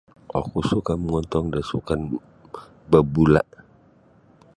Oku suka mongontong da sukan babula.